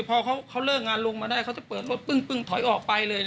พอเขาเลิกงานลงมาได้เขาจะเปิดรถปึ้งถอยออกไปเลย